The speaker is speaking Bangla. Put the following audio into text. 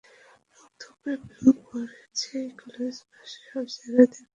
মুখ থুবড়ে প্রেমে পড়েছি, কলেজে, বাসে, সবজায়গা তার পিছন পিছন ঘুরেছি।